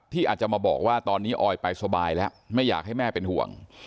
อาจจะมาบอกว่าตอนนี้ออยไปสบายแล้วไม่อยากให้แม่เป็นห่วง